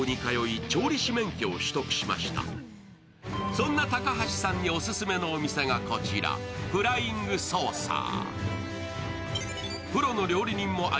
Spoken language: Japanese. そんな高橋さんにオススメのお店がこちらフライングソーサー。